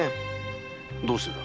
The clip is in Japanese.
どうしてだ？